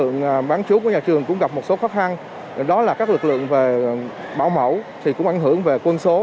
nhà trường cũng gặp một số khó khăn đó là các lực lượng về bảo mẫu cũng ảnh hưởng về quân số